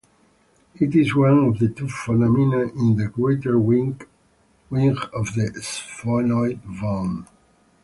It is one of two foramina in the greater wing of the sphenoid bone.